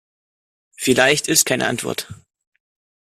Vielleicht ist keine Antwort.